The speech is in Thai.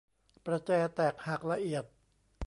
ประแจแตกหักละเอียด